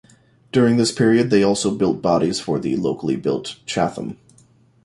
During this period, they also built bodies for the locally built Chatham.